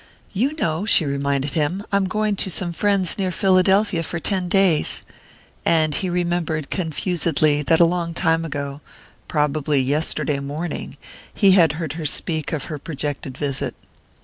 "You know," she reminded him, "I'm going to some friends near Philadelphia for ten days" and he remembered confusedly that a long time ago probably yesterday morning he had heard her speak of her projected visit.